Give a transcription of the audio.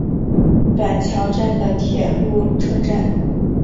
板桥站的铁路车站。